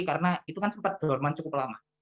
karena itu kan sempat dorman cukup lama